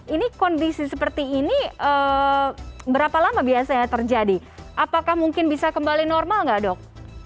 ini kondisi seperti ini berapa lama biasanya terjadi apakah mungkin bisa kembali normal nggak dok